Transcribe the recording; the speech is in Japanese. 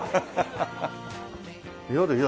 夜夜。